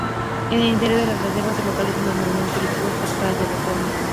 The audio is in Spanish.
En el interior de la reserva, se localiza el balneario turístico ""Cascadas de Reforma"".